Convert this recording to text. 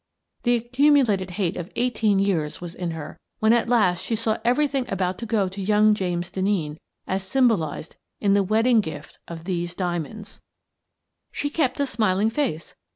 The accumulated hate of eighteen years was in her when at last she saw everything about to go to young James Denneen, as symbolized in the wedding gift of these diamonds. " She kept a smiling face.